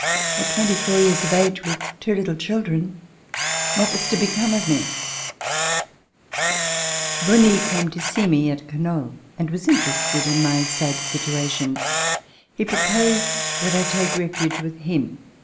At twenty four years of age, with two little children, what was to become of me ? Bonie came to see me at Canoles and was Interested in my sad situation. He proposed that I take refuge with him.